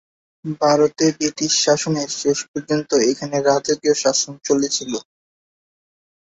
ভারতে ব্রিটিশ শাসনের শেষ পর্যন্ত এখানে রাজকীয় শাসন চলেছিল।